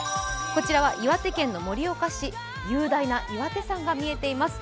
こちらは岩手県の盛岡市雄大な岩手山が見えています。